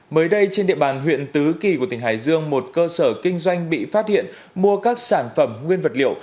mới đây trên địa bàn huyện tứ kỳ của tỉnh hải dương một cơ sở kinh doanh bị phát hiện mua các sản phẩm nguyên vật liệu